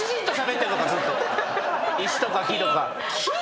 石とか木とか。